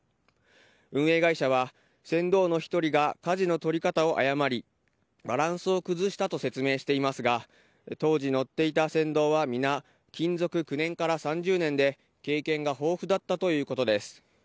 運営会社は船頭の１人が舵の取り方を誤りバランスを崩したと説明していますが当時乗っていた船頭は皆、勤続９年から３０年で経験が豊富だったということです。